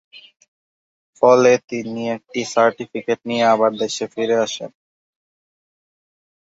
ফলে তিনি একটি সার্টিফিকেট নিয়ে আবার দেশে ফিরে আসেন।